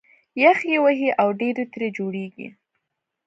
یخ یې وهي او ډېرۍ ترې جوړېږي